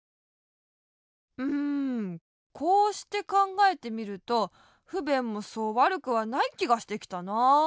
うんこうしてかんがえてみるとふべんもそうわるくはないきがしてきたなあ。